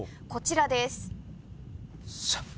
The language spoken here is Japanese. こちらです。